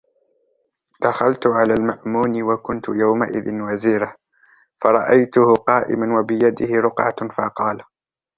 دَخَلْت عَلَى الْمَأْمُونِ وَكُنْت يَوْمَئِذٍ وَزِيرَهُ فَرَأَيْته قَائِمًا وَبِيَدِهِ رُقْعَةٌ فَقَالَ